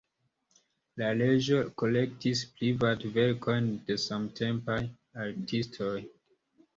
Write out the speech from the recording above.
La reĝo kolektis private verkojn de samtempaj artistoj.